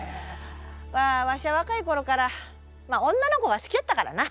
まあわしは若い頃から女の子が好きやったからな。